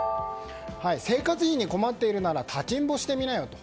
生活費に困っているなら立ちんぼしてみなよ。